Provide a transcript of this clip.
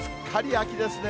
秋ですね。